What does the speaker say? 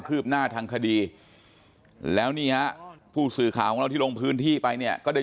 ืบหน้าทางคดีแล้วนี่ฮะผู้สื่อข่าวของเราที่ลงพื้นที่ไปเนี่ยก็ได้